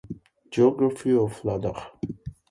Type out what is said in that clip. Geography of Ladakh